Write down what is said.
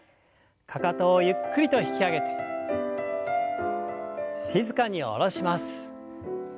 かかとをゆっくりと引き上げて静かに下ろします。